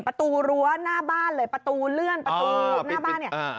ประตูรั้วหน้าบ้านเลยประตูเลื่อนประตูหน้าบ้านเนี่ย